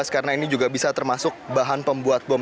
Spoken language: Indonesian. karena ini juga bisa termasuk bahan pembuat bom